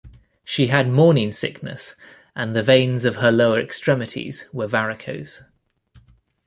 She had morning sickness, and the veins of her lower extremities were varicose.